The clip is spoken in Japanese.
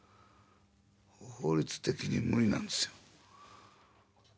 法律的にムリなんですよ